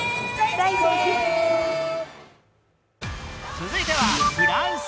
続いてはフランス。